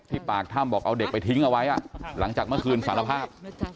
ปากถ้ำบอกเอาเด็กไปทิ้งเอาไว้หลังจากเมื่อคืนสารภาพ